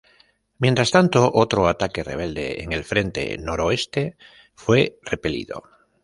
Mientras tanto, otro ataque rebelde en el frente noroeste fue repelido.